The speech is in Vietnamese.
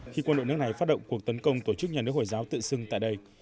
khi quân đội nước này phát động cuộc tấn công tổ chức nhà nước hồi giáo tự xưng tại đây